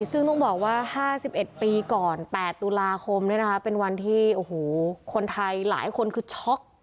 ซึ่งต้องบอกว่า๕๑ปีก่อน๘ตุลาคมเป็นวันที่โอ้โหคนไทยหลายคนคือช็อก